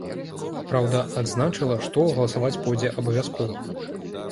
Праўда, адзначыла, што галасаваць пойдзе абавязкова.